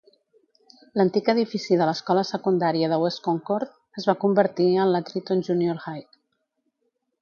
L'antic edifici de l'escola secundària de West Concord es va convertir en la Triton Junior High.